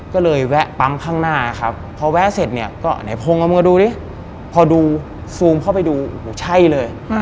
ก็เลยแวะปั๊มข้างหน้าครับพอแวะเสร็จเนี่ยก็ไหนพงเอามือดูดิพอดูซูมเข้าไปดูโอ้โหใช่เลย